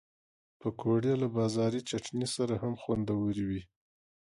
پکورې له بازاري چټني سره هم خوندورې وي